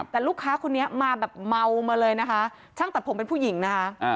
แต่ลูกค้าคนนี้มาแบบเมามาเลยนะคะช่างตัดผมเป็นผู้หญิงนะคะ